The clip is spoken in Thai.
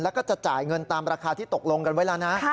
แล้วก็จะจ่ายเงินตามราคาที่ตกลงกันไว้แล้วนะ